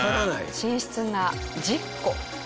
寝室が１０個。